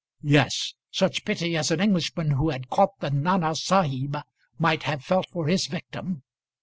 Yes; such pity as an Englishman who had caught the Nana Sahib might have felt for his victim.